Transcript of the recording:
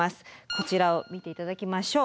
こちらを見て頂きましょう。